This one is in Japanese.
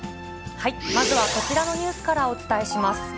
まずはこちらのニュースからお伝えします。